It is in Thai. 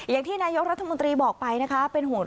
อย่างที่นายกรัฐมนตรีบอกไปนะคะ